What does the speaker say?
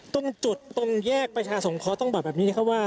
ตรงจุดตรงแยกประชาสงเคราะห์ต้องบอกแบบนี้นะครับว่า